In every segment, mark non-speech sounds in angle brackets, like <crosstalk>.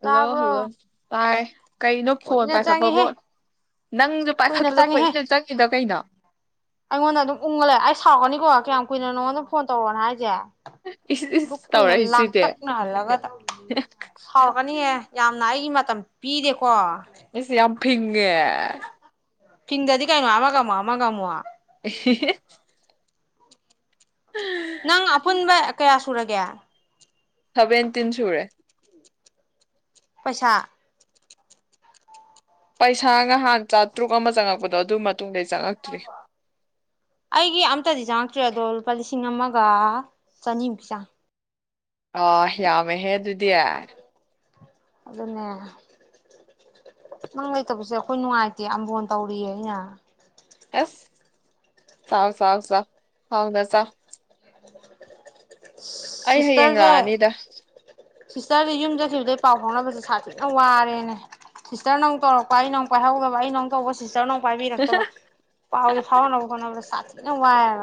Hello hello ꯇꯥꯕ꯭ꯔꯣ ꯇꯥꯏ ꯀꯩꯅꯣ ꯐꯣꯟ ꯀꯨꯏꯅ ꯄꯥꯏꯈꯠꯄꯕꯣ ꯆꯪꯉꯦꯍꯦ ꯅꯪꯁꯨ ꯄꯥꯏꯈꯠꯄꯗꯣ ꯀꯨꯏꯅ ꯆꯪꯉꯤꯗ ꯀꯩꯅꯣ ꯑꯩꯉꯣꯟꯗ ꯑꯗꯨꯝ ꯎꯪꯉ ꯂꯩ ꯑꯩ ꯁꯥꯎꯔꯛꯀꯅꯤꯀꯣ ꯀꯌꯥꯝ ꯀꯨꯏꯅꯣ ꯅꯉꯣꯟꯗ ꯐꯣꯟ ꯇꯧꯔꯣꯅ ꯍꯥꯏꯁꯦ ꯏꯁ ꯗꯨꯛ ꯏꯁ ꯀꯨꯏꯅ ꯇꯧꯔꯛꯏꯁꯤꯗꯤ ꯂꯥꯡꯇꯛꯅꯍꯜꯂꯒ ꯁꯥꯎꯔꯛꯀꯅꯤꯑꯦ ꯌꯥꯝꯅ ꯑꯩꯒꯤ ꯃ ꯃꯇꯝ ꯄꯤꯗꯦꯀꯣ ꯑꯤꯁ ꯌꯥꯝ ꯐꯤꯉꯦ ꯐꯤꯗꯗꯤ ꯀꯩꯅꫭ ꯑꯃꯥꯒ ꯑꯃꯨꯛ ꯑꯃꯥꯒ ꯑꯃꯨꯛ <inaudible> ꯅꯪ ꯑꯄꯨꯟꯕ ꯀꯌꯥ ꯁꯨꯔꯒꯦ ꯁꯥꯕꯦꯟ ꯇꯤꯟ ꯁꯨꯔꯦ ꯄꯩꯁꯥ ꯄꯩꯁꯥ ꯅꯍꯥꯟ ꯆꯥꯇ꯭ꯔꯨꯛ ꯑꯃ ꯆꯪꯉꯛꯄꯗꯣ ꯑꯗꯨꯒꯤ ꯃꯇꯨꯡꯗ ꯆꯪꯉꯛꯇ꯭ꯔꯤ ꯑꯩꯒꯤ ꯑꯝꯇꯗꯤ ꯆꯪꯉꯛꯇ꯭ꯔꯦ ꯑꯗꯣ ꯂꯨꯄꯥ ꯂꯤꯁꯤꯡ ꯑꯃꯒ ꯆꯅꯤꯃꯨꯛꯀꯤ ꯆꯥꯡ ꯑꯥ ꯌꯥꯝꯃꯦꯍꯦ ꯑꯗꯨꯗꯤ ꯑꯗꯨꯅꯦ ꯅꯪ ꯂꯩꯇꯕꯁꯦ ꯑꯩꯈꯣꯏ ꯅꯨꯡꯉꯥꯏꯇꯦ ꯑꯝꯕꯣꯟ ꯇꯧꯔꯤꯌꯦ ꯑꯩꯅ ꯑꯦꯁ ꯆꯥꯎ ꯆꯥꯎ ꯆꯥꯎ ꯍꯥꯎꯅ ꯆꯥꯎ <inaudible> ꯑꯩ ꯍꯌꯦꯡ ꯂꯛꯑꯅꯤꯗ ꯁꯤꯁꯇꯔꯗ ꯌꯨꯝꯖꯈꯤꯕꯗꯩ ꯄꯥꯎ ꯐꯥꯎꯅꯕꯁꯦ ꯁꯥꯊꯤꯅ ꯋꯥꯔꯦꯅꯦ ꯁꯤꯁꯇꯔ ꯅꯨꯡ ꯇꯧꯔꯛꯄ ꯑꯩ ꯅꯨꯡ ꯄꯥꯏꯍꯧꯗꯕ ꯑꯩ ꯅꯨꯡ ꯇꯧꯕ ꯁꯤꯁꯇꯔ ꯑꯥ ꯄꯥꯏꯕꯤꯔꯛꯇꯕ ꯐꯥꯎꯖꯦ ꯐꯥꯎꯅꯅꯕ ꯀꯣꯠꯅꯕꯗ ꯁꯥꯠ ꯊꯤꯅ ꯋꯥꯔꯦ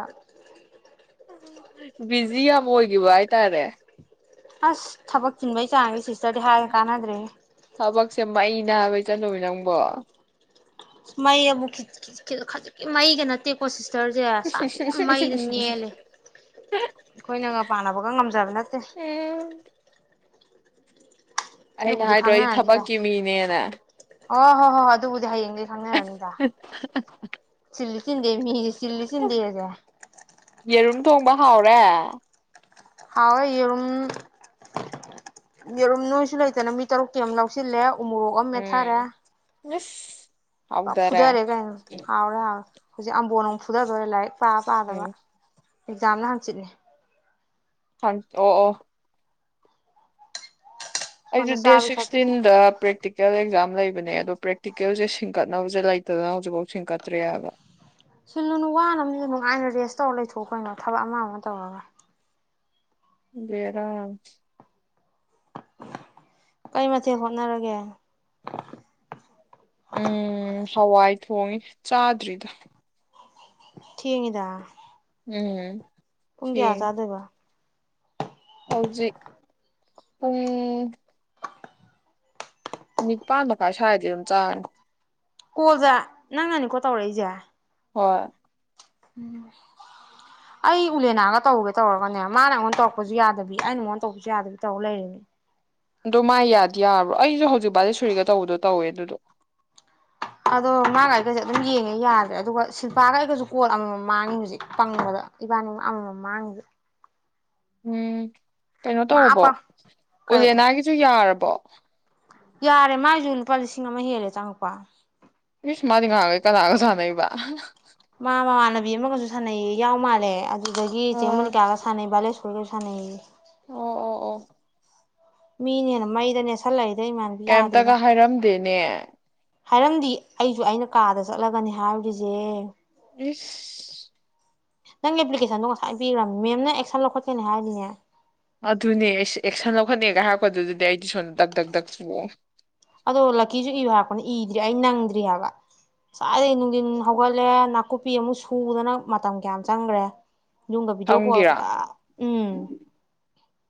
ꯕꯤꯖꯤ ꯌꯥꯝꯕ ꯑꯣꯏꯈꯤꯕ ꯍꯥꯏꯇꯥꯔꯦ ꯑꯁ ꯊꯕꯛ ꯆꯤꯟꯕꯩ ꯆꯥꯡꯒꯦ ꯁꯤꯁꯇꯔꯗꯤ ꯍꯥꯏꯔꯒ ꯀꯥꯟꯅꯗ꯭ꯔꯦ ꯊꯕꯛꯁꯦ ꯃꯩꯅ ꯍꯥꯏꯕ ꯏꯆꯟꯇꫭꯝꯕꯤ ꯅꯪꯕꯣ ꯃꯩ ꯑꯕꯨ ꯈꯤꯖꯤꯛꯀꯤ ꯃꯩꯒ ꯅꯠꯇꯦ ꯀꯣꯁꯤꯁ ꯏꯁꯇꯔꯁꯦ ꯁꯥꯇꯤꯝ ꯃꯩꯗ ꯅꯦꯜꯂꯦ ꯑꯩꯈꯣꯏꯅꯒ ꯄꯥꯟꯅꯕꯒ ꯉꯝꯖꯕ ꯅꯠꯇꯦ ꯎꯝ ꯑꯩꯅ ꯑꯗꯨꯕꯨꯗꯤ ꯍꯥꯏꯗ꯭ꯔꯣꯗꯤ ꯈꯪꯅꯔꯅꯤꯗ ꯊꯕꯛꯀꯤ ꯃꯤꯅꯦꯅꯦ ꯑꯣ ꯍꯣ ꯍꯣ ꯑꯗꯨꯕꯨꯗꯤ ꯍꯌꯦꯡ ꯗꯩ ꯈꯪꯅꯔꯅꯤꯗ ꯆꯤꯂꯤ ꯆꯤꯟꯗꯦ ꯃꯤ ꯆꯤꯂꯤ ꯁꯤꯗꯤꯒꯦ ꯌꯦꯔꯨꯝ ꯊꯣꯡꯕ ꯍꯥꯎꯔꯦ ꯍꯥꯎꯋꯏ ꯌꯦꯔꯨꯝ ꯌꯦꯔꯨꯝ ꯅꯣꯏꯁꯨ ꯂꯩꯇꯅ ꯃꯤ ꯇꯔꯨꯛꯀꯤ ꯑꯃ ꯂꯧꯁꯤꯜꯂꯦ ꯎꯃꯣꯔꯣꯛ ꯑꯃ ꯃꯦꯠꯊꯔꯦ ꯎꯝ ꯏꯁ ꯍꯥꯎꯗꯔꯦ ꯐꯨꯊꯔꯦ ꯀꯩꯅꯣ ꯍꯥꯎꯔꯦ ꯍꯥꯎꯔꯦ ꯍꯧꯖꯤꯛ ꯑꯝꯕꯣꯟ ꯑꯃꯅꯨꯡ ꯐꯨꯊꯗꯣꯏ ꯂꯥꯏꯔꯤꯛ ꯄꯥꯕꯗꯕ ꯎꯝ ꯑꯦꯛꯖꯥꯝꯅ ꯍꯪꯆꯤꯠꯅꯦ ꯍ ꯑꯣ ꯑꯣ ꯑꯩ ꯁꯣꯝꯗ ꯗꯦ ꯆꯥꯕꯤ ꯊꯛꯄꯤ ꯁꯤꯁꯇꯤꯟ꯭ꯔꯦꯜ ꯑꯦꯛ ꯂꯩꯕꯅꯦ ꯑꯗꯣ ꯄ꯭ꯔꯦꯛꯇꯤꯀꯦꯜꯁꯦ ꯁꯤꯡꯀꯠꯅꯕꯁꯦ ꯂꯩꯇꯗꯅ ꯍꯧꯖꯤꯛꯐꯥꯎ ꯁꯤꯡꯀꯠꯇ꯭ꯔꯦ ꯍꯥꯏꯕ ꯁꯤꯜꯂꯨꯅꯨ ꯋꯥꯅꯕ ꯃꯤ ꯅꯨꯡꯉꯥꯏꯅ ꯔꯦꯁ ꯇꯧꯔ ꯂꯩꯊꯣꯛꯑ ꯀꯣꯏꯩꯅꯣ ꯊꯕꯛ ꯑꯃ ꯑꯃ ꯇꯧꯔꯒ ꯑꯔꯝ ꯀꯔꯤ ꯃꯊꯦꯛ ꯍꯣꯠꯅꯔꯒꯦ ꯎꯝ ꯍꯋꯥꯥꯏ ꯊꯣꯡꯉ ꯆꯥꯗ꯭ꯔꯤꯗ ꯊꯗ ꯎꯝ ꯄꯨꯡ ꯀꯌꯥ ꯊꯦꯡ ꯆꯥꯗꯕ ꯍꯧꯖꯤꯛ ꯎ ꯃꯤ ꯄꯥꯟꯗ ꯀꯁ ꯍꯥꯏꯗꯤ ꯑꯗꯨꯝ ꯆꯥꯡ ꯀꯣꯜꯗ ꯅꯪꯅꯅꯤꯀꯣ ꯇꯧꯔꯛꯏꯁꯦ ꯍꯣꯏ ꯎꯝ ꯑꯩ ꯎꯂꯦꯅꯥꯒ ꯇꯧꯒꯦ ꯇꯧꯔꯒꯅꯦ ꯃꯥꯅ ꯑꯩꯉꯣꯟꯗ ꯇꯧꯔꯛꯄꯁꯨ ꯌꯥꯗꯕꯤ ꯑꯩꯅꯉꯣꯟꯗ ꯇꯧꯕꯁꯨ ꯌꯥꯗꯕꯤ ꯇꯧꯔ ꯂꯩꯔꯤꯅꯤ ꯑꯗꯨꯗꯣ ꯃꯥꯥꯏ ꯌꯥꯗ ꯌꯥꯔꯕ ꯑꯩꯁꯨ ꯍꯧꯖꯤꯛ ꯕꯥꯗꯤ ꯁꯔꯤꯒ ꯇꯧꯕꯗꯣ ꯇꯧꯦꯅꯦ <inaudible> ꯑꯗꯣ ꯃꯥꯒ ꯑꯩꯒꯁꯦ ꯑꯗꯨꯝ ꯌꯦꯡꯉꯦ ꯌꯥꯗ꯭ꯔꯦ ꯑꯗꯨꯒ ꯁꯤꯜꯄꯥꯥꯒ ꯑꯩꯒꯁꯨ ꯀꯣꯜ ꯑꯃꯃꯝ ꯃꯥꯡꯉꯤ ꯍꯧꯖꯤꯛ ꯄꯪꯕꯗ ꯏꯕꯥꯅꯤꯒ ꯑꯃꯃꯝ ꯃꯥꯡꯉꯤꯁꯦ ꯎꯝ ꯀꯩꯅꯣ ꯃꯥ ꯇꯧꯔꯕꯣ ꯄꯪ ꯀꯩ ꯎꯂꯦꯅꯥꯒꯤꯁꯨ ꯌꯥꯔꯕ ꯄ ꯌꯥꯔꯦ ꯃꯥꯏꯁꯨ ꯂꯨꯄꯥ ꯂꯤꯁꯤꯡ ꯑꯃ ꯍꯦꯜꯂꯦ ꯇꯪꯉꯛꯄ ꯏꯁ ꯃꯥꯗꯤ ꯉꯦ ꯀꯗꯒꯁꯨꯅ ꯏꯕ ꯃꯥ ꯃꯥ ꯃꯥꯅ ꯕꯤ ꯑꯃꯒ ꯁꯥꯟꯅꯩ ꯌꯥꯎ ꯃꯥꯜꯂꯦ ꯑꯗꯨꯗꯒꯤ ꯆꯦꯡꯃꯟ ꯑꯥ ꯀꯥꯒ ꯁꯥꯟꯅꯩ ꯕꯥꯜꯂꯦ ꯁꯨꯜꯒꯁꯅ ꯑꯣ ꯑꯣ ꯑꯣ ꯃꯅꯦꯅ ꯃꯩꯗ ꯅꯦꯁꯂꯥꯏ ꯀꯩꯝꯇꯒ ꯍꯥꯏꯔꯝꯗꯦ꯫ ꯅꯦ ꯍꯥꯏꯔꯝꯗꯤ ꯑꯩꯖꯨ ꯑꯩꯅ ꯀꯥꯗ ꯆꯠꯂꯒꯅꯤ ꯍꯥꯏꯔꯨꯔꯤꯖꯦ꯫ ꯏꯁ ꯅꯪ ꯑꯦꯄ꯭ꯂꯤꯀꯦꯁꯟꯗꯣ ꯉꯁꯥꯏ ꯄꯤꯒꯔꯝꯅꯤ ꯃꯦꯝꯅ ꯑꯦꯛꯁꯟ ꯂꯧꯈꯠꯀꯅꯤ ꯍꯥꯏꯔꯤꯅꯦ꯫ ꯑꯗꯨꯅꯦ ꯑꯩꯁꯨ ꯑꯦꯛꯁꯟ ꯂꯧꯈꯠꯅꯦꯒ ꯍꯥꯏꯔꯛꯄꯗꯨꯗꯗꯤ ꯑꯩꯗꯤ ꯁꯣꯝꯗ ꯙꯛ ꯙꯛ ꯙꯛ ꯆꯣꯡꯉꯦ꯫ ꯑꯗꯣ ꯂꯛꯀꯤꯖꯨ ꯏꯌꯨ ꯍꯥꯏꯔꯛꯄꯅꯤ ꯏꯗ꯭ꯔꯤ ꯑꯩ ꯅꯪꯗ꯭ꯔꯤ ꯍꯥꯏꯕ ꯉꯁꯥꯏꯗꯒꯤ ꯅꯨꯡꯗꯤꯟ ꯍꯧꯒꯠꯂꯦ ꯅꯥꯀꯨꯞꯄꯤ ꯑꯃꯨꯛ ꯁꯨꯗꯅ ꯃꯇꯝ ꯀꯌꯥꯝ ꯆꯪꯒꯔꯦ꯫ ꯌꯨꯝꯒ ꯚꯤꯗꯤꯑꯣ ꯀꯣꯜ ꯊꯝꯒꯤꯔꯥ ꯇꯞ ꯎꯝ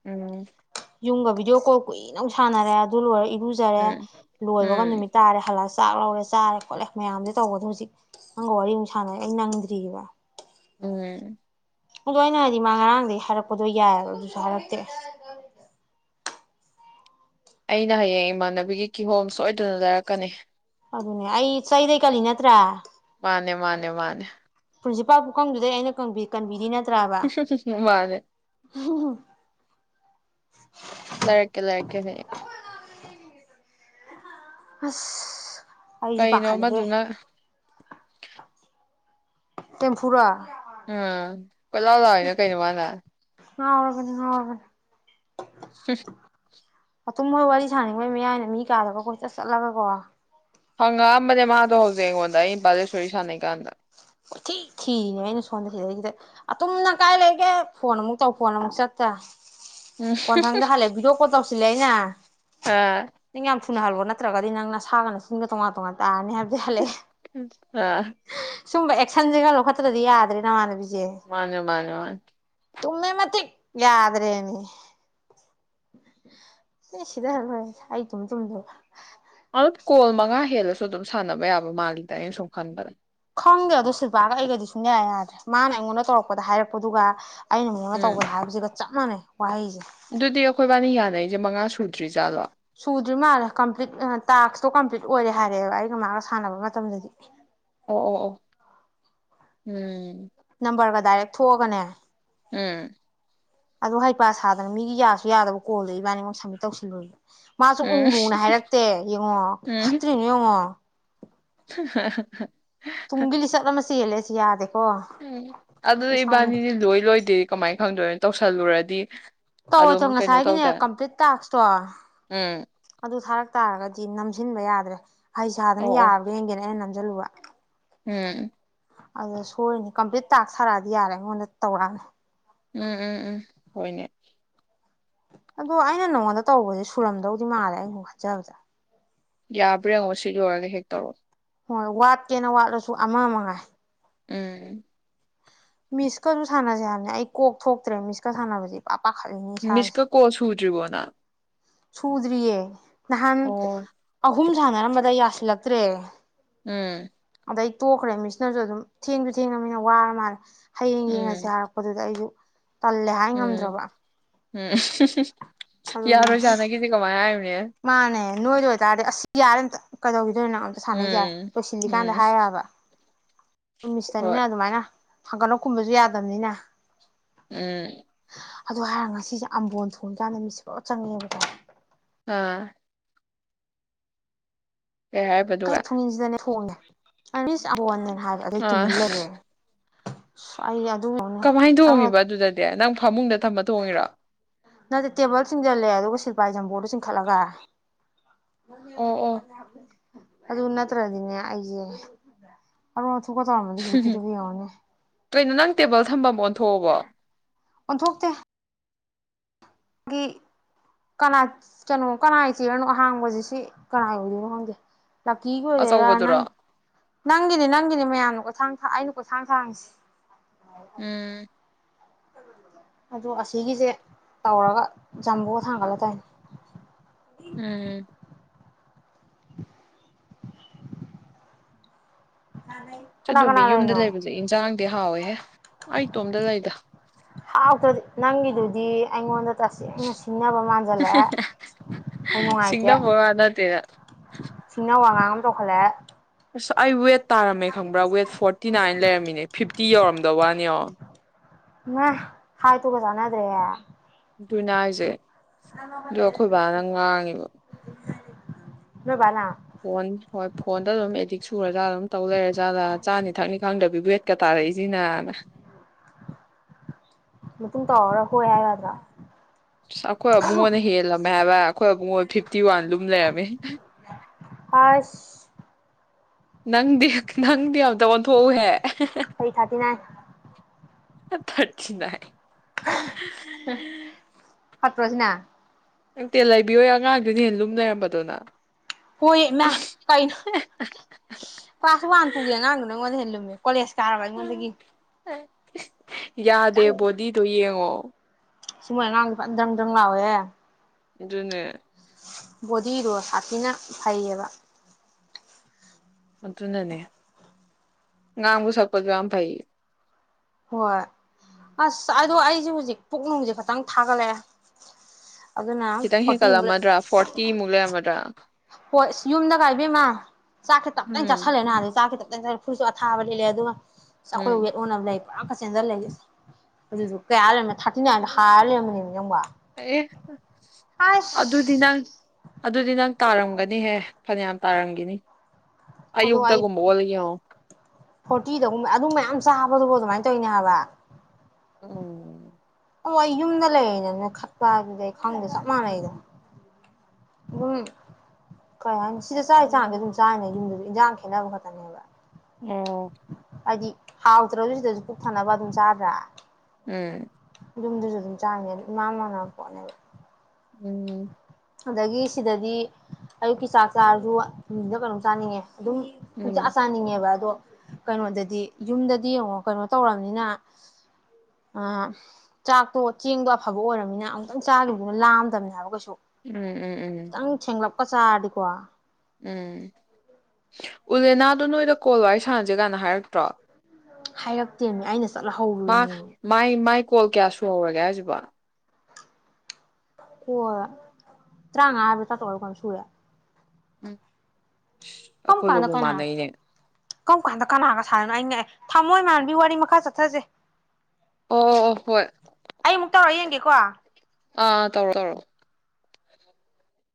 ꯎꯝ ꯌꯨꯝꯒ ꯚꯤꯗꯤꯑꯣ ꯀꯣꯜ ꯀꯨꯏꯅ ꯑꯃꯨꯛ ꯁꯥꯟꯅꯔꯦ ꯑꯗꯨ ꯂꯣꯏꯔ ꯏ ꯂꯨꯖꯔꯦ ꯎꯝ ꯂꯣꯏꯕꯒ ꯎꯝ ꯅꯨꯃꯤꯠ ꯇꯥꯔꯦ ꯍꯜꯂꯛ ꯆꯥꯛ ꯂꯧꯔꯦ ꯆꯥꯔꯦ ꯈꯣꯠꯂꯦ ꯃꯌꯥꯝꯖꯦ ꯇꯧꯕꯗ ꯍꯧꯖꯤꯛ ꯅꯪꯒ ꯋꯥꯔꯤ ꯑꯃꯨꯛ ꯁꯥꯟꯅꯔꯦ ꯑꯩ ꯅꯪꯗ꯭ꯔꯤꯑꯕ꯫ ꯎꯝ ꯑꯗꯣ ꯑꯩꯅ ꯍꯥꯏꯗꯤ ꯃꯥ ꯉꯔꯥꯡꯗꯒꯤ ꯍꯥꯏꯔꯛꯄꯗꯣ ꯌꯥꯏꯌꯦꯕ ꯑꯗꯨꯁꯨ ꯍꯥꯏꯔꯛꯇꯦ꯫ ꯑꯩꯅ ꯍꯌꯦꯡ ꯏꯃꯥꯟꯅꯕꯤꯒꯤ ꯀꯤꯍꯣꯝ ꯁꯣꯏꯗꯅ ꯂꯩꯔꯛꯀꯅꯤ꯫ ꯑꯗꯨꯅꯦ ꯑꯩ ꯆꯩꯗꯩ ꯀꯜꯂꯤ ꯅꯠꯇ꯭ꯔꯥ? ꯃꯥꯅꯦ ꯃꯥꯅꯦ ꯃꯥꯅꯦ ꯄ꯭ꯔꯤꯟꯁꯤꯄꯥꯜ ꯄꯨꯨꯀꯪꯗꯨꯗꯩ ꯑꯩꯅ ꯀꯟꯕꯤ ꯀꯟꯕꯤꯔꯤ ꯅꯠ <unintelligible> ꯃꯥꯅꯦ꯫ ꯎꯍꯨꯍꯨꯝ ꯂꯩꯔꯛꯀꯦ ꯂꯩꯔꯛꯀꯦ ꯍ ꯎ ꯑꯁ ꯑꯩꯁꯨ ꯀꯩꯅꯣ ꯄꯥꯈꯠꯂꯤꯍꯦ ꯑꯃꯗꯨꯅ ꯇꯦꯝꯐꯨꯔꯥ ꯎꯝ ꯀꯣꯏꯂꯥꯎ ꯂꯥꯎꯔꯤꯗꯣ ꯀꯩꯅꯣ ꯃꯥꯅ? ꯉꯥꯎꯔꯕꯅꯦ ꯉꯥꯎꯔꯕꯅꯦ ꯍꯨꯝ ꯑꯗꯨꯝ ꯃꯣꯏ ꯋꯥꯔꯤ ꯁꯥꯅꯅꯤꯡꯕꯩ ꯃꯌꯥꯏꯅ ꯃꯤ ꯀꯥꯗꯒ ꯀꯣꯏꯆꯠ ꯆꯠꯂꯒ ꯀꯣ ꯍꯪꯉꯛꯑꯝꯕꯅꯦ ꯃꯥꯗꯣ ꯍꯧꯖꯤꯛ ꯑꯩꯉꯣꯟꯗ ꯑꯩ ꯕꯥꯂꯦꯁꯣꯔꯤ ꯁꯥꯟꯅꯩꯀꯥꯟꯗ꯫ ꯀꯣꯏꯊꯤ ꯊꯤꯔꯤꯅꯦ ꯑꯩꯅ ꯁꯣꯝꯗ ꯁꯤꯗꯩꯁꯤꯗ ꯑꯇꯨꯝꯅꯪ ꯀꯥꯏ ꯂꯩꯒꯦ ꯐꯣꯟ ꯑꯃꯨꯛ ꯇꯧ ꯐꯣꯟ ꯑꯃꯨꯛ ꯆꯠꯇ ꯎꯝ ꯀꯣꯟꯊꯪꯗ ꯍꯜꯂꯦ ꯚꯤꯗꯤꯑꯣ ꯀꯣꯜ ꯇꯧꯁꯤꯜꯂꯦ ꯑꯩꯅ ꯑꯥ ꯅꯪ ꯌꯥꯝ ꯊꯨꯅ ꯍꯜꯂꯣ ꯅꯠꯇ꯭ꯔꯒꯗꯤ ꯅꯪꯅ ꯁꯥꯒ ꯅꯆꯤꯟꯒ ꯇꯣꯉꯥꯟ ꯇꯣꯉꯥꯟ ꯇꯥꯔꯅꯤ ꯍꯥꯏꯕꯗꯩ ꯍꯂꯛꯑꯦ꯫ ꯎꯝ ꯑ ꯁꯨꯝꯕ ꯑꯦ ꯁꯟꯖꯦ ꯈꯔ ꯂꯧꯈꯠꯇ꯭ꯔꯗꯤ ꯌꯥꯗ꯭ꯔꯦ ꯅꯃꯥꯅꯕꯤꯖꯦ꯫ ꯃꯥꯅꯦ ꯃꯥꯅꯦ ꯃꯥꯅꯦ ꯇꯨꯝꯃꯦ ꯃꯇꯤꯛ ꯌꯥꯗ꯭ꯔꯦꯅꯦ ꯃꯤ ꯁꯤꯗꯔ ꯂꯣꯏꯔꯦ ꯑꯩ ꯆꯨꯝ ꯆꯨꯝꯗꯕ ꯑꯞ ꯀꯣꯜ ꯃꯉꯥ ꯍꯦꯜꯂꯁꯨ ꯑꯗꯨꯝ ꯁꯥꯟꯅꯕ ꯌꯥꯕ ꯃꯥꯜꯂꯤꯗ ꯑꯩꯅ ꯁꯨꯝ ꯈꯟꯕꯗ꯫ ꯈꯪꯗꯦ ꯑꯗꯣ ꯁꯤꯜꯕꯥꯒ ꯑꯩꯒꯗꯤ ꯁꯨꯡꯌꯥ ꯍꯦꯛ ꯌꯥꯗ꯭ꯔꯦ ꯃꯥꯅ ꯑꯩꯉꯣꯟꯗ ꯇꯧꯔꯛꯄꯗ ꯍꯥꯏꯔꯛꯄꯗꯨꯒ ꯑꯩꯅ ꯃꯤꯉꯣꯟꯗ ꯎꯝ ꯇꯧꯕꯗ ꯍꯥꯏꯕꯁꯤꯒ ꯆꯞ ꯃꯥꯟꯅꯩ ꯋꯥꯍꯩꯁꯦ ꯑꯗꯨꯗꯤ ꯑꯩꯈꯣꯏꯕꯥꯅꯤ ꯌꯥꯅꯔꯤꯁꯦ ꯃꯉꯥ ꯁꯨꯗ꯭ꯔꯤꯖꯥꯠꯂꯣ ꯁꯨꯗ꯭ꯔꯤ ꯃꯥꯜꯂꯦ ꯀꯝꯄ꯭ꯂꯤꯠ ꯇꯥꯛꯁꯇꯣ ꯀꯝꯄ꯭ꯂꯤꯠ ꯑꯣꯏꯔꯦ ꯍꯥꯏꯔꯛꯑꯦꯕ ꯑꯩꯒ ꯃꯥꯒ ꯁꯥꯟꯅꯕ ꯃꯇꯝꯗꯗꯤ ꯑꯣ ꯑꯣ ꯑꯣ ꯎꯝ ꯅꯝꯕꯔꯒ ꯗꯥꯏꯔꯦꯛ ꯊꯣꯛꯑꯒꯅꯦ ꯎꯝ ꯑ ꯍꯩ ꯄ ꯁꯥꯗꯅ ꯃꯤꯒꯤ ꯌꯥꯁꯨ ꯌꯥꯗꯕ ꯀꯣꯜꯗꯣ ꯏꯕꯥꯅꯤꯉꯣꯟ ꯁꯝꯃꯤꯠ ꯇꯧꯁꯤꯜꯂꯣꯏꯕ ꯃꯥꯁꯨ ꯎꯝ ꯎꯔꯨꯅ ꯍꯥꯏꯔꯛꯇꯦ ꯌꯦꯡꯉꯣ ꯎꯝ ꯐꯠꯇ꯭ꯔꯤꯅꯨ ꯌꯦꯡꯉꯣ ꯇꯨꯡꯒꯤꯤꯂꯤ ꯁꯔ ꯃꯁꯤ ꯂꯩꯦ ꯌꯥꯗꯦ ꯎꯝ ꯑꯗꯨꯗꯤ ꯏꯕꯥꯅꯤꯅꯤ ꯂꯣꯏ ꯂꯣꯏꯗꯦ ꯀꯃꯥꯏꯅ ꯈꯪꯗꯣꯏꯅꯣ ꯇꯧꯁꯜꯂꯨꯔꯗꯤ ꯇꯧꯔꯦ ꯊꯧ ꯑꯗꯨꯝ ꯀꯩꯅꯣ ꯉꯁꯥꯏꯒꯤꯅꯦ ꯇꯧꯗꯥꯏ ꯀꯝꯄ꯭ꯂꯤꯠ ꯇꯥꯛꯁꯇꯣ ꯎꯝ ꯑꯗꯨ ꯊꯥꯔꯛ ꯇꯥꯔꯒꯗꯤ ꯤ ꯅꯝꯁꯤꯟꯕ ꯌꯥꯗ꯭ꯔꯦ ꯍꯩ ꯁꯥꯗꯅ ꯑꯣ ꯑꯣ ꯌꯥꯕ꯭ꯔꯦ ꯍꯡꯦꯅ ꯑꯩꯅ ꯅ ꯖꯂꯨꯋꯥ ꯎꯝ ꯑꯗꯨ ꯁꯣꯏꯅꯤ ꯀꯝꯄ꯭ꯂꯤꯠ ꯇꯥꯛꯁ ꯊꯔꯛꯑꯗꯤ ꯌꯥꯔꯦ ꯑꯩꯉꯣꯟꯗ ꯇꯧꯔꯛꯑꯅꯤ ꯎꯝ ꯎꯝ ꯎꯝ ꯍꯣꯏꯅꯦ ꯑꯗꯣ ꯑꯩꯅ ꯅꯉꯣꯟꯗ ꯇꯧꯕꯁꯦ ꯁꯨꯔꯝꯗꯧꯗꯤ ꯃꯥꯜꯂꯦ ꯑꯩ ꯈꯟꯆꯕꯗ ꯌꯥꯕ꯭ꯔꯥ ꯌꯦꯡꯉꯣ ꯁꯤ ꯂꯣꯏꯔꯒ ꯍꯦꯛ ꯇꯧꯔꯛꯑꯣ ꯍꯣꯏ ꯋꯥꯠꯀꯦꯅ ꯋꯥꯠꯂꯁꯨ ꯑꯃ ꯃꯉꯥꯏ ꯎꯝ ꯃꯤꯁꯀꯁꯨ ꯁꯥꯟꯅꯁꯦ ꯍꯥꯏꯕꯅꯦ ꯑꯩ ꯀꯣꯛ ꯊꯣꯛꯇ꯭ꯔꯦ ꯃꯤꯁꯀ ꯁꯥꯟꯅꯕꯁꯤ ꯄꯞ ꯄꯥꯈꯠꯂꯤꯅꯦ ꯏꯁꯥꯁꯦ ꯇ꯭ꯔꯤꯔꯤꯕꯣꯅꯥ ꯁꯨꯗꯔꯤꯌꯦ ꯅꯍꯥꯟ ꯑꯣ ꯑꯍꯨꯝ ꯁꯥꯟꯅꯔꯝꯕꯗ ꯌꯥꯁꯤꯜꯂꯛꯇ꯭ꯔꯦ ꯎꯝ ꯑꯗꯩ ꯇꯣꯛꯈ꯭ꯔꯦ ꯃꯤꯁꯅꯁꯨ ꯑꯗꯨꯝ ꯊꯦꯡꯁꯨ ꯊꯦꯡꯉꯃꯤꯅ ꯋꯥꯔ ꯃꯥꯜꯂꯦ ꯍꯌꯦꯡ ꯌꯦꯡꯉꯁꯦ ꯎꯝ ꯍꯥꯏꯔꯛꯄꯗꯨꯗ ꯑꯩꯁꯨ ꯇꯜꯂꯦ ꯍꯥꯏ ꯎꯝ ꯉꯝꯗ꯭ꯔꯕ ꯎꯝ ꯑꯗꯨꯅꯦ ꯌꯥꯔꯣꯏꯖꯥꯠꯅꯒꯤꯗꯤ ꯀꯃꯥꯏꯅ ꯍꯥꯏꯅꯅꯦ ꯃꯥꯅꯦ ꯅꯣꯏꯗ ꯑꯣꯏꯕꯇꯥꯔꯗꯤ ꯑꯁꯤ ꯌꯥꯔꯦꯅ ꯀꯗꯧ ꯑꯗꯨ ꯅꯪ ꯑꯝꯇ ꯁꯥꯟꯅꯩꯁꯏ ꯎꯝ ꯂꯣꯏꯁꯤꯟꯜꯂꯤꯀꯥꯟꯗ ꯎꯝ ꯍꯥꯏꯛꯑꯕ ꯃꯤꯁꯇꯅꯤꯅ ꯍꯣꯏ ꯑꯗꯨꯃꯥꯏꯅ ꯐꯪꯒꯠꯂ ꯀꯨꯝꯕꯁꯨ ꯌꯥꯗꯕꯅꯤꯅ ꯎꯝ ꯑꯗꯨ ꯍꯥꯏꯔꯒ ꯉꯁꯤꯁꯦ ꯑꯝꯕꯣꯟ ꯊꯣꯡꯉꯀꯥꯟꯗ ꯃꯤꯁꯦ ꯄꯨꯂꯞ ꯆꯪꯉꯦꯕꯗ ꯑꯥ ꯀꯩ ꯀꯩ ꯍꯥꯏꯕꯗꯨꯒ ꯐꯣꯡꯏꯟꯁꯤꯗꯅꯦ ꯊꯣꯡꯉꯦ ꯑ ꯑꯕ ꯍꯥ ꯑꯗꯨꯗ ꯇꯨꯃꯤ ꯑꯥ ꯏꯜ ꯂꯩꯒꯦ ꯁ ꯌꯥ ꯀꯃꯥꯏꯅ ꯇꯣꯡꯉꯤꯕ ꯑꯗꯨꯗꯗꯤ ꯅꯪ ꯐꯃꯨꯡꯗ ꯊꯝꯕ ꯇꯣꯡꯉꯤꯔ ꯅꯠꯇꯦ ꯇꯦꯕꯜ ꯆꯤꯡꯖꯜꯂꯦ ꯑꯗꯨꯒ ꯁꯤꯜꯚꯥꯏꯖꯝꯕꯣꯔꯗꯣ ꯆꯤꯡꯈꯠꯂꯒ ꯃꯔꯃꯦ ꯑꯣ ꯑꯣ ꯃꯗ ꯍꯥ ꯑꯗꯨ ꯎ ꯅꯠꯇ꯭ꯔ ꯑꯗꯨꯅꯦ ꯑꯩꯁꯦ ꯇꯨ ꯀ ꯊꯔꯃꯗꯤ ꯐꯛꯀꯤ ꯇꯨ ꯌꯥꯅꯦꯦ ꯇꯕꯜ ꯊꯝꯕꯕꯥꯣ ꯊꯣꯕ ꯑꯣꯟ ꯍꯇꯦ ꯒꯤ ꯀꯅꯥ ꯀꯩꯅꯣ ꯀꯅꯥ ꯆꯦꯔꯅꯣ ꯑꯍꯥꯡꯕꯕꯁꯤꯦ ꯁꯤ ꯀꯅꯥ ꯑꯣꯏꯗꯣꯏꯅꯣ ꯈꯪꯗꯦ ꯂꯛꯀꯤꯒꯤ ꯑꯣꯏꯔꯦꯔꯥ ꯅꯪ ꯑꯆꯧꯕꯗꯨꯔꯣ ꯅꯪꯒꯤꯅꯤ ꯅꯪꯒꯤꯅꯤ ꯃꯌꯥꯝ ꯀꯊꯥꯡ ꯊ ꯑꯩꯅ ꯀꯣꯊꯥꯡ ꯊꯥꯡꯁꯤ ꯎꯝ ꯑ ꯑꯁꯤꯒꯤꯁꯦ ꯇꯧꯔꯒ ꯝꯕꯨ ꯀꯣ ꯊꯥꯡꯪꯒꯂꯦ ꯇꯥꯏ ꯎꯝ ꯀꯅꯥ ꯆꯠꯇꯣꯕꯤ ꯀꯅꯥ ꯌꯨꯝꯗ ꯂꯩꯅꯣ ꯂꯩꯕꯁꯦ ꯏꯟꯁꯥꯡꯗꯤ ꯍꯥꯎꯋꯦꯍꯦ ꯑꯩꯇꯣꯝꯗ ꯂꯩꯗ ꯍꯥꯎꯗ ꯑꯗꯨ ꯅꯪ ꯑꯗꯨꯗꯤ ꯍꯣꯟ ꯇꯁꯦꯡꯅ ꯁꯤꯡꯅꯕ ꯃꯥꯟꯖꯜꯂꯛꯑꯦ ꯑꯩ ꯅꯨꯡꯉꯥꯏꯇꯦ ꯁꯤꯡꯅꯕ ꯋꯥ ꯅꯠꯇꯦꯗ ꯁꯤꯡꯅꯕ ꯑꯉꯥꯡ ꯇꯣꯈꯂꯦ ꯑꯥꯏꯋꯦꯠ ꯇꯥꯔꯝꯃꯦ ꯈꯪꯕ꯭ꯔꯥ ꯋꯦꯠ ꯐꯣꯔꯇꯤ ꯅꯥꯏꯅ ꯂꯩꯔꯝꯃꯤꯅꯦ ꯐꯤꯐꯇꯤ ꯌꯧꯔꯝꯗꯕ ꯋꯥꯅꯤ ꯃ ꯍꯥꯏ ꯇꯨꯒꯁꯅꯗ ꯔꯦ ꯅꯥꯏꯖꯦ ꯣ ꯑꯩꯈꯣꯏ ꯚꯅ ꯉꯥꯡꯉꯤꯕ ꯅꯕꯂ ꯐꯣꯟ ꯍꯣꯏ ꯐꯣꯟꯗ ꯑꯗꯨꯝ ꯑꯦꯗꯤꯛ ꯁꯨꯔꯖꯥꯠ ꯑꯗꯨꯝ ꯇꯧ ꯂꯩꯔ ꯖꯥꯠ ꯆꯥꯅꯤ ꯊꯛꯅꯤ ꯈꯪꯗꯕꯤ ꯋꯦꯠꯀ ꯇꯥꯔꯛꯏꯁꯤꯅꯅ ꯃꯇꯨꯡ ꯇꯧꯔꯔꯥ ꯍꯣꯏ ꯍꯥꯏꯒꯗ꯭ꯔꯥ ꯆ ꯑꯩꯈꯣꯏ ꯑꯕꯨꯡꯉꯣꯟꯅ ꯍꯦꯜꯂꯝꯃꯦ ꯍꯥꯏꯕ ꯑꯩꯈꯣꯏꯣꯏ ꯐꯤꯐꯇꯤ ꯋꯥꯟ ꯂꯨꯝ ꯂꯩꯔꯝꯃꯤ ꯑꯁ ꯅꯪꯗꯤ ꯅꯪꯗꯤ ꯌꯥꯝꯗ ꯋꯥꯟ ꯊꯣꯛꯣꯛꯎꯍꯦ ꯀꯩ ꯊꯥꯇ ꯅ ꯑ ꯊꯠꯁꯤꯅ ꯍ ꯍꯠꯇ꯭ꯔꯣꯁꯤꯅ ꯅꯪꯇꯦ ꯂꯩꯕꯤꯌꯣꯏ ꯑꯉꯥꯡꯗꯨꯅ ꯍꯦ ꯂꯨꯝ ꯂꯩꯔꯝꯕꯗꯨꯅ ꯍꯣꯏ ꯃ ꯀꯩꯅꯣ ꯀ꯭ꯂꯥꯁ ꯋꯥꯟ ꯄꯨꯒꯦ ꯑꯉꯥꯡꯗ ꯅꯪꯉꯣꯟꯗ ꯍꯦꯜꯂꯝꯨꯝꯃꯦ ꯀꯣꯂꯦꯖ ꯀꯥꯔꯕ ꯑꯩꯉꯣꯟꯗꯒꯤ ꯑ ꯌꯥꯗꯦꯕꯣꯗꯤꯗꯨꯌꯦꯡ ꯑꯣ ꯁꯨꯝꯃ ꯂ ꯄꯟꯔꯝꯗꯪꯂꯑꯦ ꯑꯗꯨꯅꯦ ꯗꯤꯔ ꯍꯥꯄꯤꯅ ꯐꯩꯌꯦꯕ ꯑꯗꯨꯅꯅꯦ ꯉꯥꯡꯕꯨ ꯁꯛꯄꯁꯨ ꯌꯥꯝ ꯐꯩ ꯍꯣꯏ ꯑꯁ ꯑꯗꯣ ꯑꯩꯁꯦ ꯍꯧꯖꯤꯛ ꯄꯨꯛ ꯅꯨꯡꯁꯦ ꯈꯈꯤꯇꯪ ꯊꯥꯒꯠꯂꯛꯑꯦ ꯑꯗꯨꯅ ꯈꯤꯇꯪ ꯐꯣꯔꯇꯤꯃꯨꯛ ꯂꯩ ꯍꯦꯟꯀꯠꯂꯝꯃꯗ꯭ꯔꯥ ꯐꯣꯔꯇꯤꯃꯨꯛ ꯂꯩꯔꯝꯃꯗ꯭ꯔꯥ ꯍꯣꯏ ꯑꯁ ꯌꯨꯝꯗ ꯀꯥꯏꯕꯤꯃ ꯆꯥꯛꯁꯦ ꯇꯞ ꯇꯅ ꯎꯝ ꯆꯥꯁꯤꯜꯂꯦ ꯅꯍꯥꯟꯗ ꯆꯥꯛ ꯐꯨꯁꯨ ꯑꯊꯥꯕ ꯂꯤꯂꯦ ꯑꯗꯨꯒ ꯆ ꯎꯝ ꯑꯩꯈꯣꯏ ꯋꯦꯠ ꯑꯣꯅꯕ ꯂꯩ ꯄꯨꯥꯡ ꯀꯆꯦꯟꯗ ꯂꯩ ꯑꯗꯨꯗꯨ ꯀꯌꯥ ꯂꯩꯔꯝꯅ ꯊꯥꯔꯇꯤ ꯅꯥꯏꯟꯗ ꯍꯥꯏꯔ ꯂꯩꯔꯝꯕꯅꯦꯕ ꯌꯦꯡꯕ ꯑꯦ ꯑꯗꯨ ꯑꯗꯨꯗꯤꯅ ꯑꯗꯨꯗꯤꯅ ꯇꯥꯔꯝꯒꯅꯤꯍꯦ ꯐꯅꯌꯥꯝ ꯇꯥꯔꯝꯒꯅꯤ ꯑ ꯑꯩ ꯐꯣꯔꯇꯤꯗꯨꯝꯕ ꯑꯗꯨ ꯃꯌꯥꯝ ꯆꯥꯕꯗꯨꯕꯣ ꯑꯗꯨꯃꯥꯏꯅ ꯇꯧꯅꯦ ꯍꯥꯏꯕ ꯎꯝ ꯑꯣ ꯑꯩ ꯌꯨꯝꯗ ꯂꯩꯔꯅꯅ ꯈꯠꯄ ꯍꯥꯏ ꯑꯗꯨꯗꯩ ꯑꯩ ꯈꯪꯗꯦ ꯆꯞ ꯃꯥꯟꯅꯩꯗ ꯎꯝ ꯀꯩ ꯍꯥꯏꯅꯤ ꯁꯤꯗ ꯆꯥꯛꯟꯁꯥꯡꯁ ꯑꯗꯨꯝ ꯆꯥꯅꯦ ꯌꯨꯝꯗꯁꯨ ꯏꯟꯁꯥꯡ ꯈꯦꯠꯅꯕ ꯈꯛꯇꯅꯦꯕ ꯎꯝ ꯍꯥꯏꯗꯤ ꯍꯥꯎꯗ꯭ꯔ ꯁꯤꯗꯁꯨ ꯀꯛ ꯐꯅꯕ ꯑꯗꯨꯝ ꯆꯥꯗ꯭ꯔꯥ ꯍ ꯌꯨꯝꯗꯨꯁꯨ ꯑꯗꯨꯝ ꯆꯥꯅꯤ ꯑꯗꯨ ꯏꯥꯟ ꯃꯥꯟꯅꯕ ꯄꯣꯠꯅꯦꯕ ꯎꯝ ꯑꯗꯒꯤ ꯁꯤꯗꯗꯤ ꯑꯌꯨꯛꯀꯤ ꯆꯥꯛ ꯆꯥꯔꯁꯨ ꯅꯨꯗ ꯀꯩꯅꯣꯝ ꯆꯥꯅꯤꯡꯉꯦ ꯑꯗꯨꯝꯆ ꯎꯝ ꯆꯥꯅꯤꯡꯉꯦꯕ ꯑꯗꯣ ꯀꯩꯅꯣꯗꯗꯤ ꯌꯨꯝꯗꯗꯤ ꯌꯦꯡꯉꯣ ꯀꯩꯅꯣ ꯇꯧꯔꯕꯝꯅꯤꯅ ꯑ ꯆꯥꯛꯇꯣ ꯆꯦꯡꯗꯣ ꯑꯐꯕ ꯑꯣꯏꯔꯝꯅꯤꯅ ꯑꯃꯨꯛꯇꯪ ꯆꯥꯂꯨꯗꯨꯅ ꯂꯥꯑꯝꯗꯕꯅꯤꯅ ꯍ ꯀ ꯎꯝ ꯎꯝ ꯎꯝ ꯀ ꯆꯥꯗꯤꯀꯣ ꯎꯝ ꯎꯂꯦꯅꯥꯗ ꯅꯣꯏꯗ ꯀꯣꯜ ꯋꯥꯔꯤ ꯁꯥꯟꯅꯁꯦ ꯀꯥꯏꯅ ꯍꯥꯏꯔꯛꯇ꯭ꯔꯣ ꯍꯥꯏꯔꯛꯇꯦꯅꯦ ꯑꯩꯅ ꯆꯠꯂ ꯃꯥ ꯍꯧꯔꯨꯔꯤꯅꯦꯃꯤ ꯃꯥꯏ ꯃꯥꯏ ꯀꯣꯜ ꯀꯌꯥ ꯁꯨ ꯍꯧꯔꯒꯦ ꯍꯥꯏꯁꯤꯕꯣ ꯍꯣꯏꯣꯏ ꯇꯔꯥꯃꯉꯥ ꯍꯥꯏꯕ ꯇꯥ ꯇꯧ ꯀ ꯁꯨꯔꯦ ꯎꯝ ꯀꯔꯝ ꯀꯥꯟꯗ ꯑꯩꯈꯣꯏꯕꯕꯨ ꯀꯅꯥ ꯃꯥꯟꯅꯩꯅꯦ ꯀꯔꯝ ꯀꯥꯟꯗ ꯀꯅꯥꯒ ꯁꯥꯟꯅꯣ ꯑꯩꯩꯅꯥꯛꯑ ꯊꯝꯃꯣꯏ ꯃꯥꯟꯕꯤ ꯋꯥꯔꯤ ꯃꯈꯥ ꯆꯠꯊꯁꯦ ꯑꯣ ꯑꯣ ꯍꯣꯏ ꯀꯋꯥ ꯑꯥ ꯇꯧꯔꯣ ꯇꯧꯔꯣ